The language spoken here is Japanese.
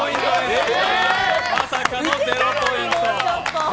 まさかの０ポイント。